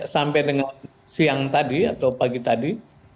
sampai dengan siang tadi atau pagi tadi